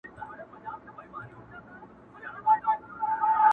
له پردي جنګه یې ساته زما د خاوري ,